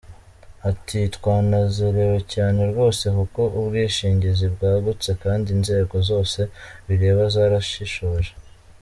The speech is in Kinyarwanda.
Ati” Twanezerewe cyane rwose kuko ubwishingizi bwagutse kandi inzego zose bireba zarashishoje.